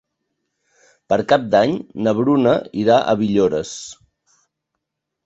Per Cap d'Any na Bruna irà a Villores.